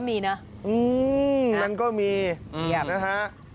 มันก็มีนะคะ